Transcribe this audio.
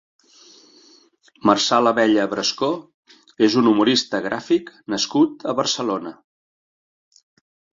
Marçal Abella Brescó és un humorista gràfic nascut a Barcelona.